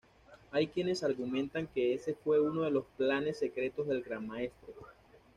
Hay quienes argumentan que ese fue uno de los planes secretos del Gran Maestre.